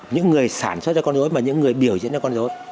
những người sản xuất cho con dối và những người biểu diễn cho con dối